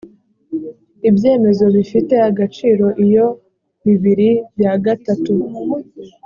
ibyemezo bifite agaciro iyo bibiri bya gatatu